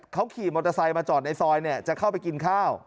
เขาขี่มอเตอร์ไซค์มาจอดในซอยจะเข้าไปกินข้าว